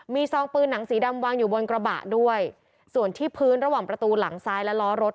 มีซองปืนหนังสีดำวางอยู่บนกระบะด้วยส่วนที่พื้นระหว่างประตูหลังซ้ายและล้อรถ